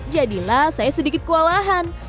jadilah saya sedikit kewalahan